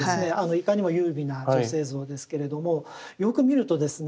いかにも優美な女性像ですけれどもよく見るとですね